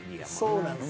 そうなんです。